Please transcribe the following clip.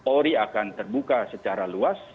ori akan terbuka secara luas